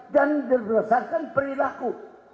dan berdasarkan perilaku